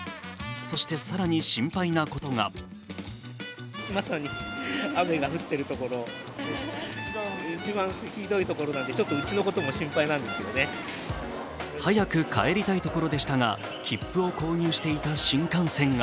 そして更に心配なことが早く帰りたいところでしたが切符を購入していた新幹線が